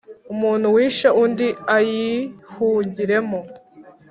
Umuntu wishe undi ayihungiremo